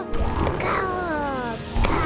ガオガオ！